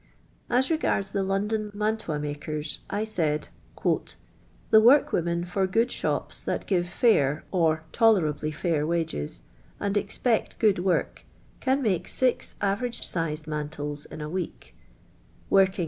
As regards the London ma ntiui makers, 1 said :—" The wurkworaen for good .Rhnps that give fair, or tolerably fair wages, and expect ;iood work, can make six avernge si/ed mantle* in a week, tcorlin'i